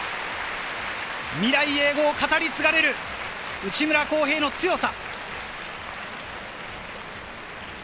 未来永劫語り継がれる、内村航平の強さ。